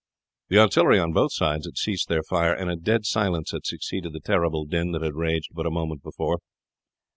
The artillery on both sides had ceased their fire, and a dead silence had succeeded the terrible din that had raged but a moment before.